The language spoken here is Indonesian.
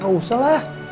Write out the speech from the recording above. gak usah lah